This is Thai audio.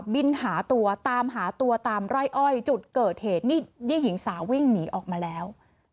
บินหาตัวตามหาตัวตามไร่อ้อยจุดเกิดเหตุนี่หญิงสาววิ่งหนีออกมาแล้ว